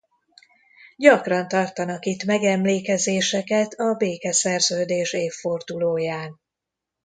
Gyakran tartanak itt megemlékezéseket a békeszerződés évfordulóján.